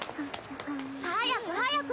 早く早く！